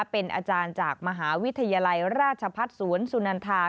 เป็นอาจารย์จากมหาวิทยาลัยราชพัฒน์สวนสุนันทา